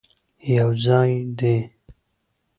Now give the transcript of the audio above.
یوځای دې،